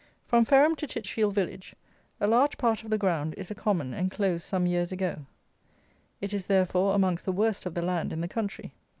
From Fareham to Titchfield village a large part of the ground is a common enclosed some years ago. It is therefore amongst the worst of the land in the country.